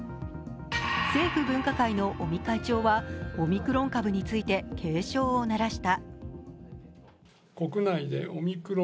政府分科会の尾身会長はオミクロン株について警鐘を鳴らした。